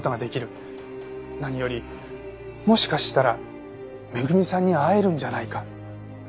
何よりもしかしたら恵さんに会えるんじゃないか。